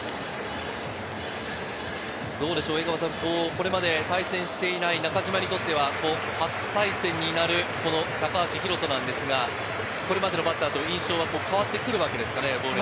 これまで対戦していない中島にとっては初対戦になる高橋宏斗ですが、これまでのバッターと印象は変わってくるわけですか？